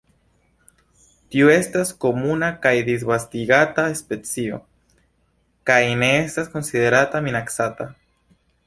Tiu estas komuna kaj disvastigata specio, kaj ne estas konsiderata minacata.